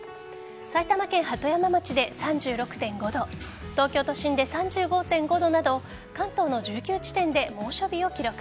埼玉県鳩山町で３６．５度東京都心で３５．５度など関東の１９地点で猛暑日を記録。